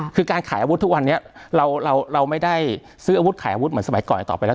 คือการขายอาวุธทุกวันนี้เราไม่ได้ซื้ออาวุธขายอาวุธเหมือนสมัยก่อนต่อไปแล้ว